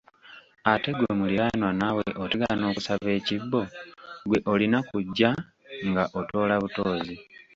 Ate ggwe muliraanwa naawe otegana okusaba ekibbo, ggwe olina kujja nga otoola butoozi.